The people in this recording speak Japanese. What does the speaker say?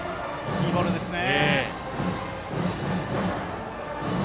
いいボールですね。